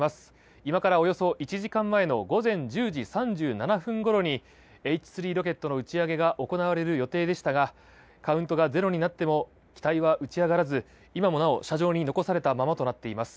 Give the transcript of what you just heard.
今からおよそ１時間前の午前１０時３７分ごろにＨ３ロケットの打ち上げが行われる予定でしたがカウントがゼロになっても機体は打ち上がらず今もなお、射場に残されたままとなっています。